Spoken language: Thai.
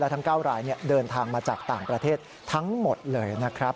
ทั้ง๙รายเดินทางมาจากต่างประเทศทั้งหมดเลยนะครับ